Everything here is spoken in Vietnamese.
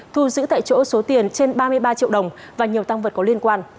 thu giữ tại chỗ số tiền trên ba mươi ba triệu đồng và nhiều tăng vật có liên quan